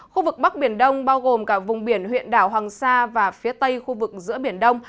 khu vực bắc biển đông bao gồm cả vùng biển huyện đảo hoàng sa và phía tây khu vực giữa biển đông